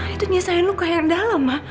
itu nyisahin luka yang dalam ma